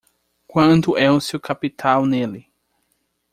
Quanto é o seu capital nele?